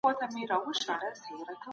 نفرتونه ختم کړئ.